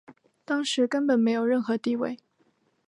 当时根本没有任何地位。